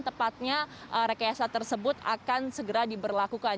tepatnya rekayasa tersebut akan segera diberlakukan